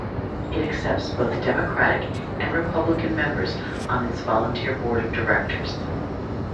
It accepts both Democratic and Republican members on its volunteer board of directors.